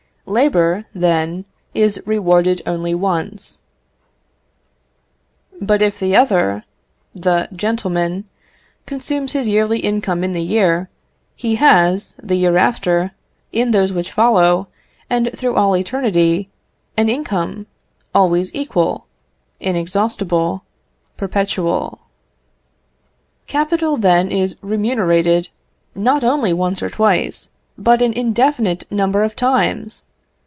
Labour, then, is rewarded only once. But if the other, the 'gentleman,' consumes his yearly income in the year, he has, the year after, in those which follow, and through all eternity, an income always equal, inexhaustible, perpetual. Capital, then, is remunerated, not only once or twice, but an indefinite number of times!